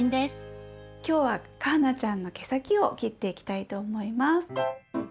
きょうはかはなちゃんの毛先を切っていきたいと思います。